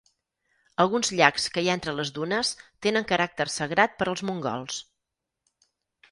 Alguns llacs que hi ha entre les dunes tenen caràcter sagrat per als mongols.